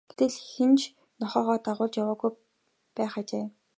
Гэтэл хэн нь ч нохойгоо дагуулж явуулаагүй байх ажээ.